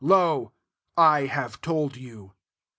Lo ! I have told you."